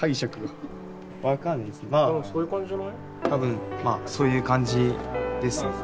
多分まあそういう感じです。